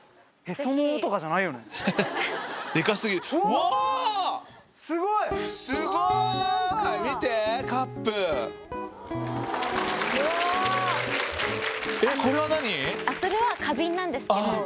それは花瓶なんですけど。